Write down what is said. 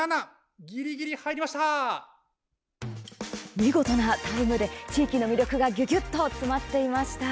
みごとなタイムで地域の魅力がぎゅぎゅっと詰まっていました。